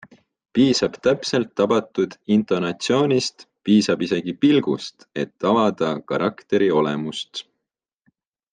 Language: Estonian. Piisab täpselt tabatud intonatsioonist, piisab isegi pilgust, et avada karakteri olemust.